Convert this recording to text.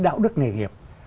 đạo đức nghề nghiệp